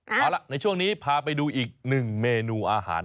เอาล่ะในช่วงนี้พาไปดูอีกหนึ่งเมนูอาหาร